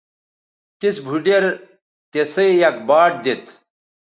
تِس بُھوڈیر تِسئ یک باٹ دیتھ